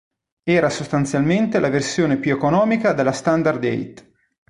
Era sostanzialmente la versione più economica della Standard Eight.